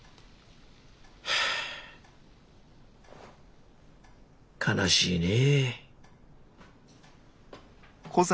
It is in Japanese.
はあ悲しいね。